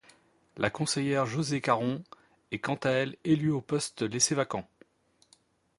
La conseillère Josée Caron est quant à elle élue au poste laissé vacant.